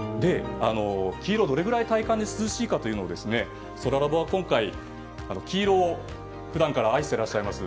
黄色どのぐらい体感で涼しいのかというのをそらラボは今回、黄色を普段から愛していらっしゃいます